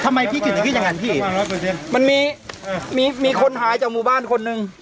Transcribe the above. ทำไมพี่ถึงจะคิดอย่างนั้นพี่มันมีมีคนหายจากหมู่บ้านคนหนึ่ง